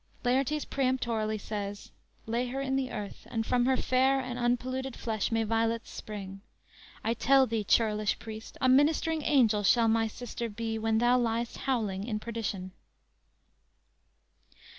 Laertes peremptorily says: _"Lay her in the earth And from her fair and unpolluted flesh May violets spring! I tell thee, churlish priest, A ministering angel shall my sister be When thou liest howling in perdition."